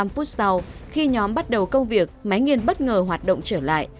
phút sau khi nhóm bắt đầu công việc máy nghiên bất ngờ hoạt động trở lại